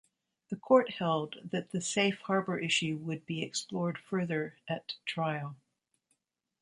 The court held that the safe harbor issue would be explored further at trial.